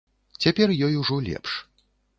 Цяпер ёй ужо лепш.